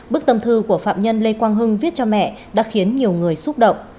bức tâm thư của phạm nhân lê quang hưng viết cho mẹ đã khiến nhiều người xúc động